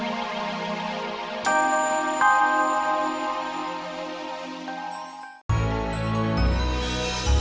ah kalau sudah